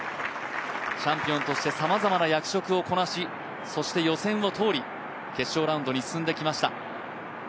チャンピオンとしてさまざまな役職をこなし、そして予選を通り決勝ラウンドに進んできました。